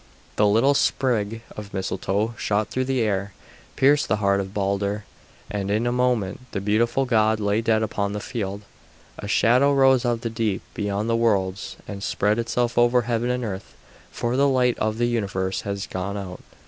The little sprig of Mistletoe shot through the air, pierced the heart of Balder, and in a moment the beautiful god lay dead upon the field. A shadow rose out of the deep beyond the worlds and spread itself over heaven and earth, for the light of the universe had gone out.